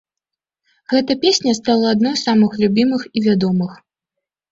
Гэта песня стала адной з самых любімых і вядомых.